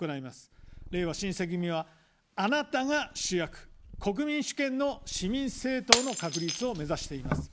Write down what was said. れいわ新選組は、あなたが主役、国民主権の市民政党の確立を目指しています。